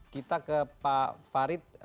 kita ke pak farid